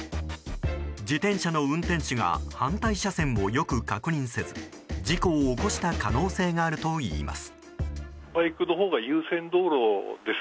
自転車の運転手が反対車線をよく確認せず事故を起こした可能性があるといいます。